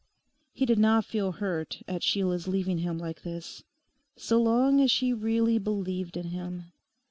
He did not feel hurt at Sheila's leaving him like this. So long as she really believed in him.